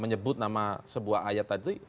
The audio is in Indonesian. menyebut nama sebuah ayat tadi